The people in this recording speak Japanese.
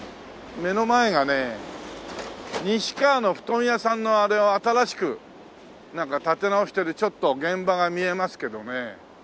目の前がね西川の布団屋さんのあれを新しくなんか建て直してるちょっと現場が見えますけどね。